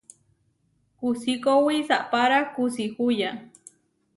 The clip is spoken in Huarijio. Kusikowí saʼpára kusí huyá.